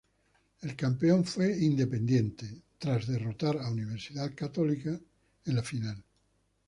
El campeón fue Independiente tras derrotar a Universidad Católica en la final.